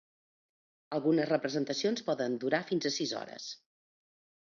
Algunes representacions poden durar fins a sis hores.